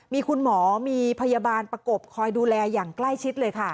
มีคุณหมอมีพยาบาลประกบคอยดูแลอย่างใกล้ชิดเลยค่ะ